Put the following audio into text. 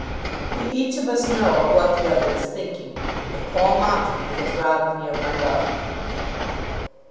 "We each of us know of what the other is thinking. If Paul Montague has robbed me of my love